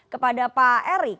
kepada pak erick